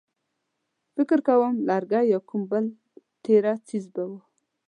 فکر کوم لرګی يا کوم بل تېره څيز به و.